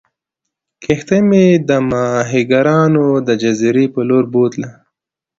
کښتۍ مې د ماهیګیرانو د جزیرې په لورې بوتله.